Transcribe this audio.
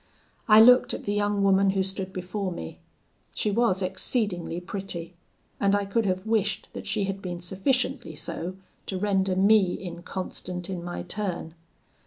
I looked at the young woman who stood before me: she was exceedingly pretty, and I could have wished that she had been sufficiently so to render me inconstant in my turn.